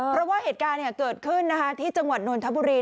เพราะว่าเหตุการณ์เกิดขึ้นที่จังหวัดนนทบุรี